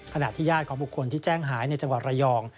ขณะที่ญาติของบุคคลที่แจ้งหายในจังหวัดระยอง